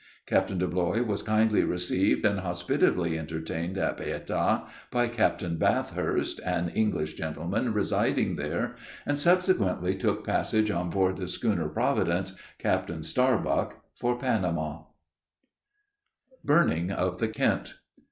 Captain Deblois was kindly received and hospitably entertained at Paita by Captain Bathurst, an English gentleman residing there, and subsequently took passage on board the schooner Providence, Captain Starbuck, for Panama. [Illustration: BURNING OF THE KENT EAST INDIAMAN] BURNING OF THE KENT.